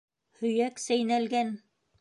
— Һөйәк сәйнәлгән!